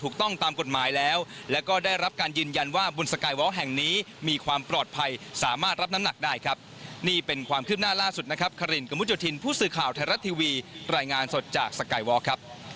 คลิปหน้าล่าสุดนะครับครินกมุจจุธินผู้สื่อข่าวไทยรัฐทีวีรายงานสดจากสกายวอลครับ